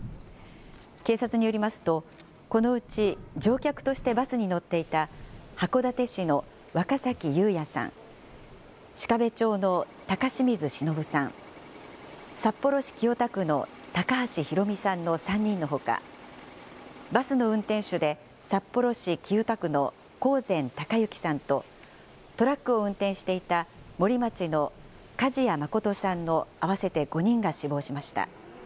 警察によりますと、このうち乗客としてバスに乗っていた、函館市の若崎友哉さん、鹿部町の高清水忍さん、札幌市清田区の高橋裕美さんの３人のほか、バスの運転手で札幌市清田区の興膳孝幸さんと、トラックを運転していた森町の梶谷誠さんの合わせて５人が死亡しました。